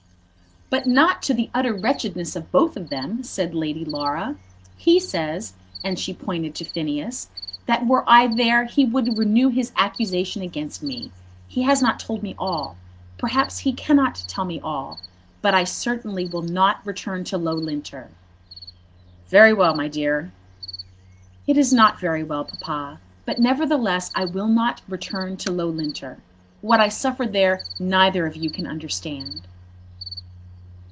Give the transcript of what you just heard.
"But not to the utter wretchedness of both of them," said Lady Laura. "He says," and she pointed to Phineas, "that were I there he would renew his accusation against me. He has not told me all. Perhaps he cannot tell me all. But I certainly will not return to Loughlinter." "Very well, my dear." "It is not very well, Papa; but, nevertheless, I will not return to Loughlinter. What I suffered there neither of you can understand."